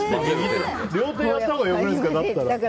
両手やったほうがよくないですか？